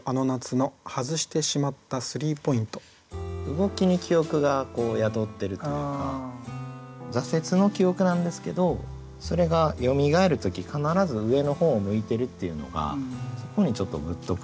動きに記憶が宿っているというか挫折の記憶なんですけどそれがよみがえる時必ず上の方を向いてるっていうのがそこにちょっとグッとくるなって。